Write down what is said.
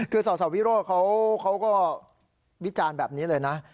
คือสสวิโรธเขาก็วิจารณ์แบบนี้เลยนะ